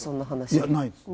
いやないですね。